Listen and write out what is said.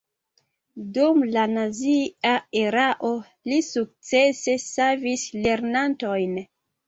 Dum la nazia erao li sukcese savis lernantojn.